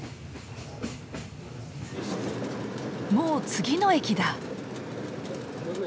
もう次の駅だ。